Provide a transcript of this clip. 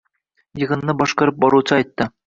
yig'inni boshqarib boruvchi aytdi: